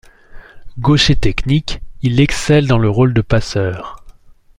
Gaucher technique, il excelle dans le rôle de passeur.